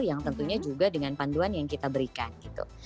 yang tentunya juga dengan panduan yang kita berikan gitu